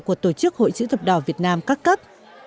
của tổ chức hội chữ thập đỏ việt nam các cấp